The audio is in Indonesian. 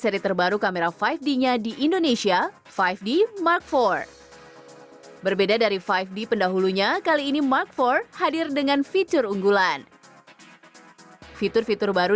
lima d mark iv